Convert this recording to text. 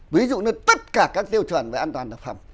ví dụ như tất cả các tiêu chuẩn về an toàn thực phẩm